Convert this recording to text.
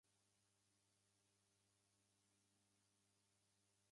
Trains had to reverse from here to get to Guisborough.